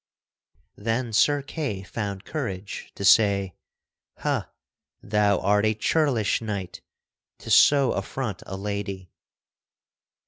Then Sir Kay found courage to say: "Ha! thou art a churlish knight to so affront a lady."